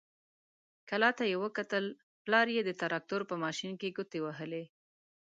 کلا ته يې وکتل، پلار يې د تراکتور په ماشين کې ګوتې وهلې.